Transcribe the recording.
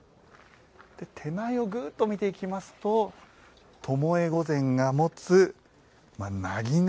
手前をぐっと見ていきますと巴御前が持つ